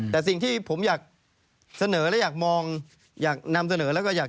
แต่สิ่งที่ผมอยาก